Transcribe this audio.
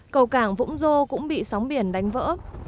cầu cảng vũng dô cũng bị sóng biển đánh vỡ